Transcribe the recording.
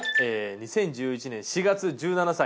２０１１年４月１７歳。